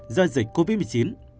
do dịch covid một mươi chín